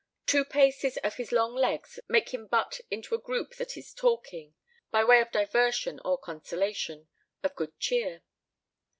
Two paces of his long legs make him butt into a group that is talking by way of diversion or consolation of good cheer.